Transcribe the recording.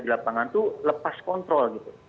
di lapangan itu lepas kontrol gitu